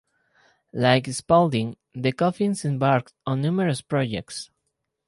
Like Spalding, the Coffins embarked on numerous projects.